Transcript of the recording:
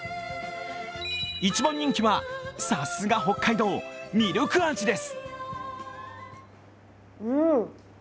一番人気は、さすが北海道ミルク味です。